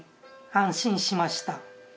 「安心しました」